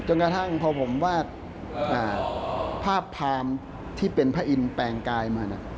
กระทั่งพอผมวาดภาพพรามที่เป็นพระอินทร์แปลงกายมา